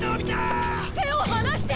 手を離して！